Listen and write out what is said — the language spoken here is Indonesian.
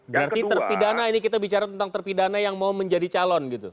berarti terpidana ini kita bicara tentang terpidana yang mau menjadi calon gitu